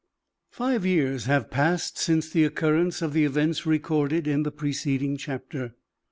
Five years had passed since the occurrence of the events recorded in the preceding chapter.